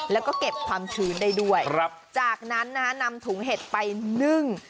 แล้วก็เก็บความชื้นได้ด้วยครับจากนั้นนะฮะนำถุงเห็ดไปนึ่ง